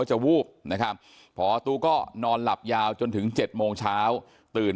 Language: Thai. จะวูบนะครับพอตู้ก็นอนหลับยาวจนถึง๗โมงเช้าตื่น